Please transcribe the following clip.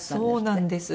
そうなんです。